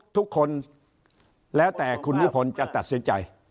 ทุกคนแล้วแต่คุณนิพนธ์จะตัดสินใจ